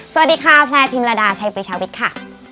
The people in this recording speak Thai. สวัสดีค่ะแพลพิมระดาชัยปริชาวิทย์ค่ะ